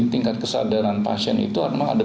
tingkat kesadaran pasien itu memang ada